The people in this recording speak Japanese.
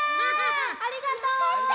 ありがとう！